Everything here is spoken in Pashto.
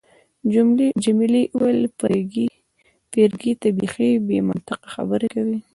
جميلې وويل: فرګي، ته بیخي بې منطقه خبرې کوي.